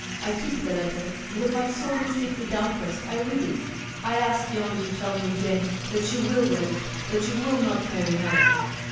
I keep the letter, and when my soul is deeply downcast I read it. I ask you only to tell me again that you will wait, that you will not marry another."